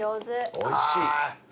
おいしい。